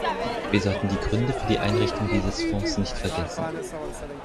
Wir sollten die Gründe für die Einrichtung dieses Fonds nicht vergessen.